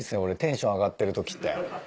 俺テンション上がってるときって。